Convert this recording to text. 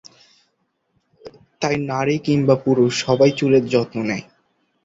তাই নারী কিংবা পুরুষ সবাই চুলের যত্ন নেয়।